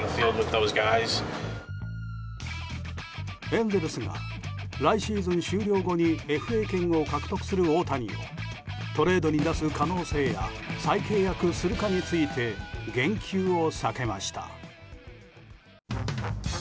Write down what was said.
エンゼルスが来シーズン終了後にＦＡ権を獲得する大谷をトレードに出す可能性や再契約するかについて言及を避けました。